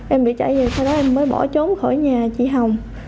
em bị trả về sau đó em mới bỏ trốn khỏi nhà chị hồng